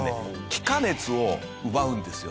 気化熱を奪うんですよ。